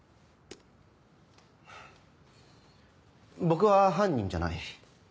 僕は犯人じゃない。